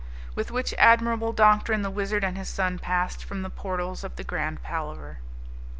With which admirable doctrine the Wizard and his son passed from the portals of the Grand Palaver.